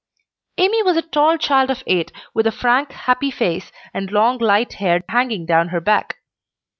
Amy was a tall child of eight, with a frank, happy face, and long light hair hanging down her back.